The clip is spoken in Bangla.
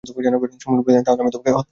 সম্রাট বলল, তাহলে আমি তোমাকে হত্যা করব।